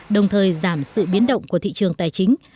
đồng thời giảm sự biến động của thị trường tài chính